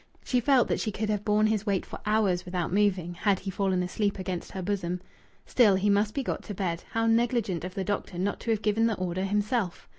She felt that she could have borne his weight for hours without moving, had he fallen asleep against her bosom.... Still, he must be got to bed. How negligent of the doctor not to have given the order himself!